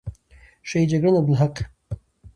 شهید جگړن عبدالحق،